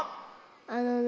あのね。